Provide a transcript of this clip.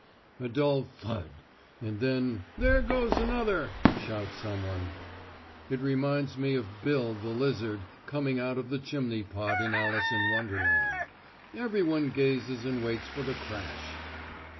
A dull thud, and then 'there goes another,' shouts someone. It reminds me of Bill the lizard coming out of the chimney pot in Alice in Wonderland. Everyone gazes and waits for the crash!